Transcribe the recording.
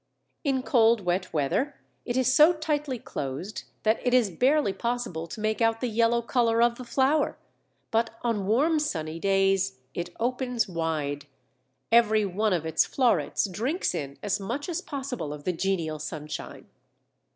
In cold wet weather it is so tightly closed that it is barely possible to make out the yellow colour of the flower, but on warm sunny days it opens wide: every one of its florets drinks in as much as possible of the genial sunshine.